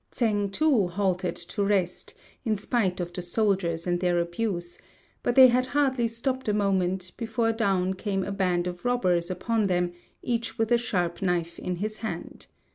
Tsêng, too, halted to rest in spite of the soldiers and their abuse; but they had hardly stopped a moment before down came a band of robbers upon them, each with a sharp knife in his hand.